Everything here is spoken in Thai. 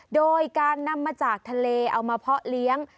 โดยการนำมาจากทะเลเอามาเพาะเลี้ยง